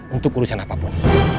untuk urusan apapun